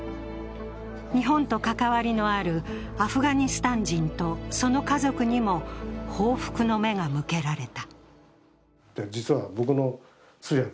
日本と関わりのあるアフガニスタン人とその家族にも報復の目が向けられた。